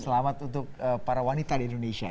selamat untuk para wanita di indonesia